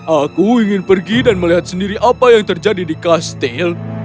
aku ingin pergi dan melihat sendiri apa yang terjadi di kastil